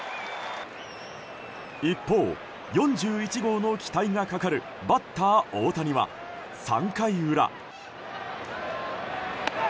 一方、４１号の期待がかかるバッター大谷は３回裏。